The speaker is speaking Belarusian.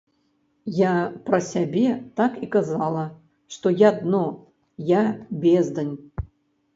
Я пра сябе так і казала, што я дно, я бездань.